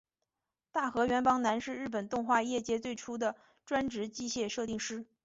大河原邦男是日本动画业界最初的专职机械设定师。